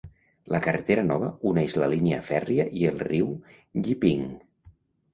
La carretera nova uneix la línia fèrria i el riu Gipping.